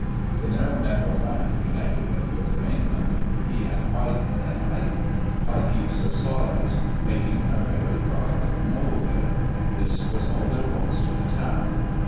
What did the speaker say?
The narrow neck of land connecting it with the mainland he had widened and heightened by heaps of sawdust, making a dry little knoll there. That was all there was to the town.